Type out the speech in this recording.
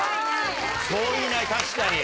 そういない確かに。